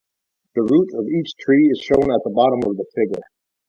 The root of each tree is shown at the bottom of the figure.